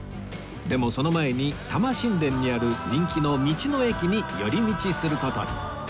でもその前に田間新田にある人気の道の駅に寄り道する事に